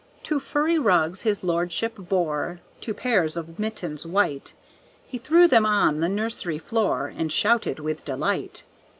Two furry rugs his lordship bore, Two pairs of mittens white; He threw them on the nursery floor And shouted with delight.